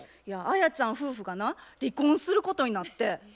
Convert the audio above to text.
いやアヤちゃん夫婦がな離婚することになって。